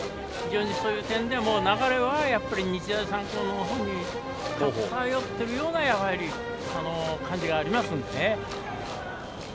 そういう点でも流れはやっぱり日大三高のほうに偏っているような感じがありますんでね。